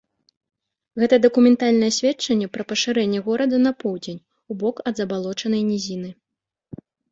Гэта дакументальнае сведчанне пра пашырэнне горада на поўдзень, у бок ад забалочанай нізіны.